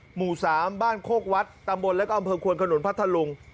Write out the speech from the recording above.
หมู่๓บ้านโคกวัดตำบลแล้วก็อำเภอควนขนุนพัทธลุง